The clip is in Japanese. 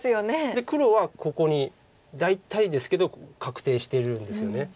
で黒はここに大体ですけど確定してるんですよね。